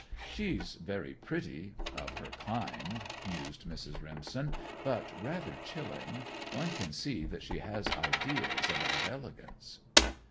"She's very pretty of her kind," mused Mrs. Remsen, "but rather chilling. One can see that she has ideas about elegance."